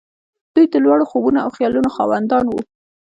دوی د لوړو خوبونو او خيالونو خاوندان وو.